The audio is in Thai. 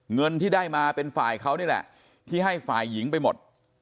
เงินที่ได้มาเป็นฝ่ายเขานี่แหละที่ให้ฝ่ายหญิงไปหมด